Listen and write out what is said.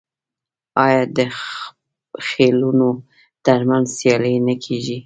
آیا د خیلونو ترمنځ سیالي نه کیږي؟